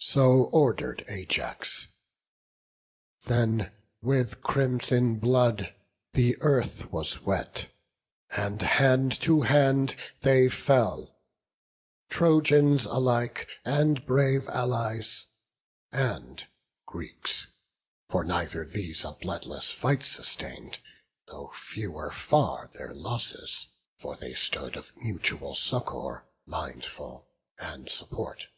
So order'd Ajax; then with crimson blood The earth was wet; and hand to hand they fell, Trojans alike, and brave Allies, and Greeks; For neither these a bloodless fight sustain'd, Though fewer far their losses; for they stood Of mutual succour mindful, and support.